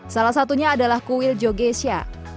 salah satunya adalah kuil jogesia